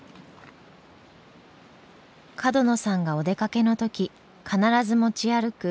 角野さんがお出かけの時必ず持ち歩く